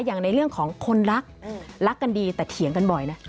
อย่างในเรื่องของคนรักรักกันดีแต่เถียงกันบ่อยนะ